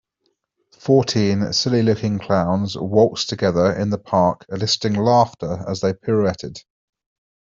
Fourteen silly looking clowns waltzed together in the park eliciting laughter as they pirouetted.